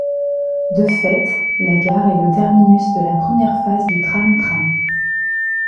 De fait, la gare est le terminus de la première phase du tram-train.